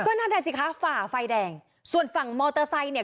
นั่นแหละสิคะฝ่าไฟแดงส่วนฝั่งมอเตอร์ไซค์เนี่ย